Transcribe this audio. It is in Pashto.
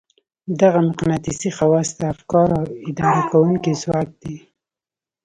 دغه مقناطيسي خواص د افکارو اداره کوونکی ځواک دی.